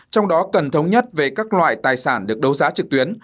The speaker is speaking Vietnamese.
trong đó cần thống nhất về các loại tài sản được đấu giá trực tuyến